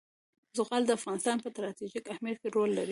زغال د افغانستان په ستراتیژیک اهمیت کې رول لري.